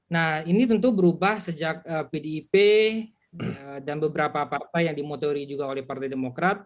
nah ini tentu berubah sejak pdip dan beberapa partai yang dimotori juga oleh partai demokrat